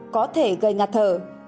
có thể gây ngặt thở